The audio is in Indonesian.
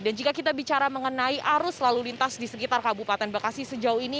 dan jika kita bicara mengenai arus lalu lintas di sekitar kabupaten bekasi sejauh ini